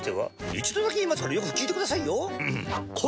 一度だけ言いますからよく聞いてくださいよ。